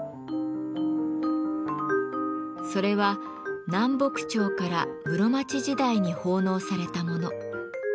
それは南北朝から室町時代に奉納されたもの。